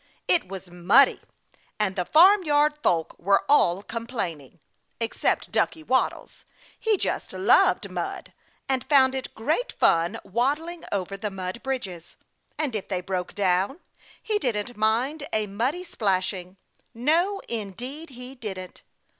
It was muddy, and the Farmyard Folk were all complaining, except Ducky Waddles. He just loved mud, and found it great fun waddling over the mud bridges. And if they broke down, he didn't mind a muddy splashing! No, indeed he didn't.